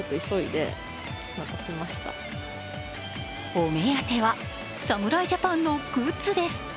お目当ては侍ジャパンのグッズです。